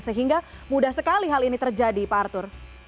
sehingga mudah sekali hal ini terjadi pak arthur